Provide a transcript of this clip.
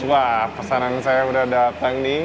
wah pesanan saya udah datang nih